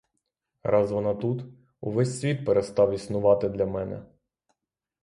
Раз вона тут — увесь світ перестав існувати для мене.